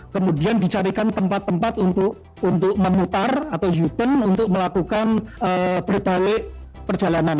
kemudian dicarikan tempat tempat untuk memutar atau hupen untuk melakukan berbalik perjalanan